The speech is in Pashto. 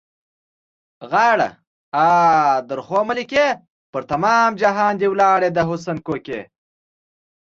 غاړه؛ آ، درخو ملکې! پر تمام جهان دې ولاړې د حُسن کوکې.